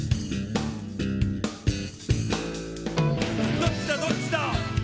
「どっちだどっちだ」